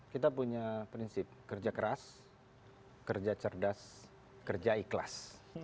kita punya prinsip kerja keras kerja cerdas kerja ikhlas